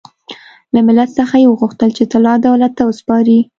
له ملت څخه یې وغوښتل چې طلا دولت ته وسپاري.